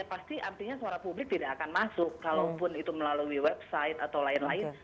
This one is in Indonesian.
pasti artinya suara publik tidak akan masuk kalaupun itu melalui website atau lain lain